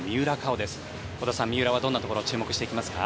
織田さん、三浦はどんなところを注目していきますか？